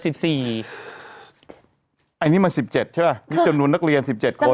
สี่อันนี้มันสิบเจ็ดใช่ปะนี่จำนวนนักเรียนสิบเจ็ดคน